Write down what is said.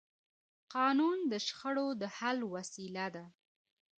قانون د شخړو د حل وسیله ده